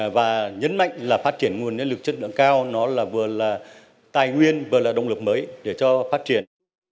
và nhấn mạnh là phát triển nguồn nhân lực chất lượng cao nó là vừa là tài nguyên vừa là động lực mới để cho phát triển